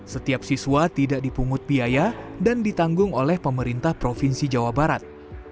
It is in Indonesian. setiap siswa tidak dipungut biaya dan ditanggung oleh pemerintah provinsi jawa barat